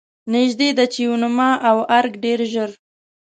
نږدې ده چې یوناما او ارګ ډېر ژر.